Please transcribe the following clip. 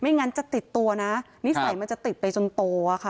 งั้นจะติดตัวนะนิสัยมันจะติดไปจนโตอะค่ะ